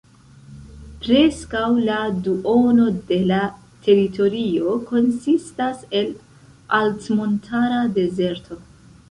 Preskaŭ la duono de la teritorio konsistas el altmontara dezerto.